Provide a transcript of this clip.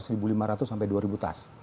satu lima ratus sampai dua tas